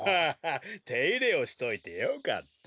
ッていれをしといてよかった。